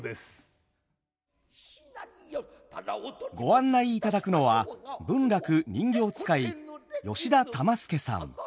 参りましょう！ご案内いただくのは文楽人形遣い吉田玉助さん。